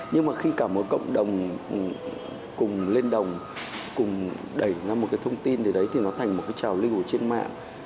nhưng mà khi cả một cộng đồng cùng lên đồng cùng đẩy ra một cái thông tin gì đấy thì nó thành một cái trào lưu trên mạng